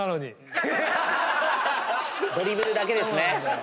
ドリブルだけですね。